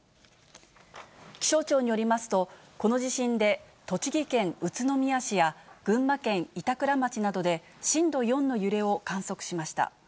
気象庁によりますと、この地震で栃木県宇都宮市や、群馬県板倉町などで、震度４の揺れを観測しました。